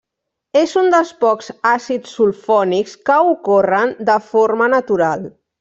És un dels pocs àcids sulfònics que ocorren de forma natural.